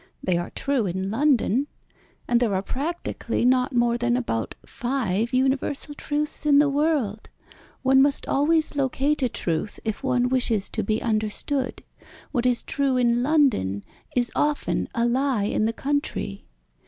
They are true in London. And there are practically not more than about five universal truths in the world. One must always locate a truth if one wishes to be understood. What is true in London is often a lie in the country.